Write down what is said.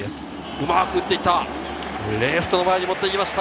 うまく打っていった！